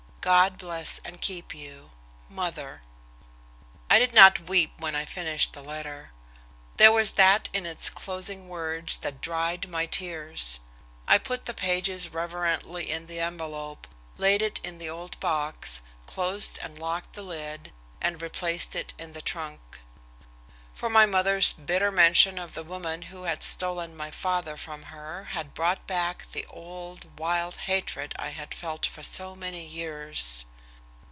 God bless and keep you. "MOTHER." I did not weep when I had finished the letter. There was that in its closing words that dried my tears. I put the pages reverently in the envelope, laid it in the old box, closed and locked the lid, and replaced it in the trunk. For my mother's bitter mention of the woman who had stolen my father from her had brought back the old, wild hatred I had felt for so many years.